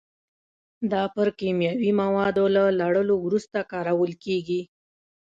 دا پر کیمیاوي موادو له لړلو وروسته کارول کېږي.